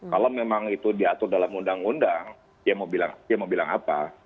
kalau memang itu diatur dalam undang undang ya mau bilang apa